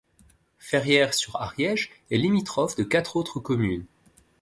Ferrières-sur-Ariège est limitrophe de quatre autres communes.